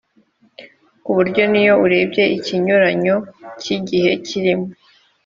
ku buryo n’iyo urebye ikinyuranyo cy’igihe kirimo